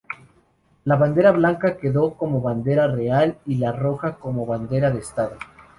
La bandera blanca quedó como bandera real y la roja como bandera de Estado.